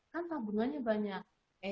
kan tabungannya banyak